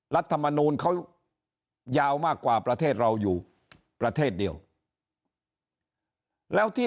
รัฐมนูลเขายาวมากกว่าประเทศเราอยู่ประเทศเดียวแล้วที่